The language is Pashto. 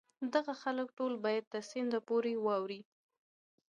دغه خلک ټول باید تر سیند پورې واوړي.